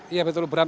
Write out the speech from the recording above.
iya betul bram